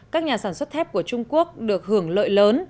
các nhà sản xuất thép của trung quốc được hưởng lợi lớn